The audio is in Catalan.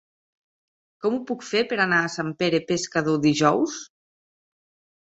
Com ho puc fer per anar a Sant Pere Pescador dijous?